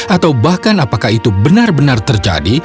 atau bahkan apakah itu benar benar terjadi